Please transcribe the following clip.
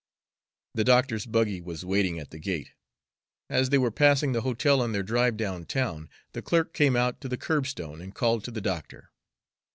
The doctor's buggy was waiting at the gate. As they were passing the hotel on their drive down town, the clerk came out to the curbstone and called to the doctor.